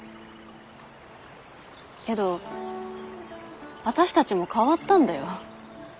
けどあたしたちも変わったんだよ。